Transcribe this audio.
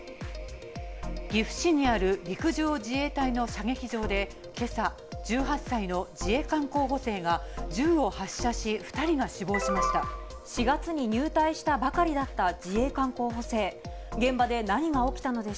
岐阜市にある陸上自衛隊の射撃場でけさ、１８歳の自衛官候補生が銃を発射し、４月に入隊したばかりだった自衛官候補生。